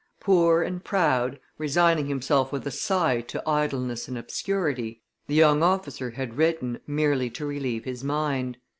Poor and proud, resigning himself with a sigh to idleness and obscurity, the young officer had written merely to relieve his mind.